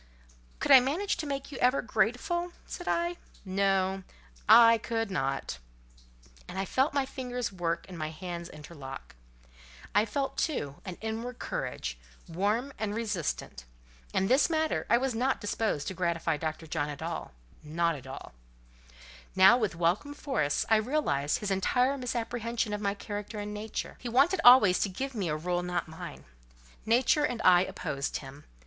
"Could I manage to make you ever grateful?" said I. "No, I could not." And I felt my fingers work and my hands interlock: I felt, too, an inward courage, warm and resistant. In this matter I was not disposed to gratify Dr. John: not at all. With now welcome force, I realized his entire misapprehension of my character and nature. He wanted always to give me a role not mine. Nature and I opposed him.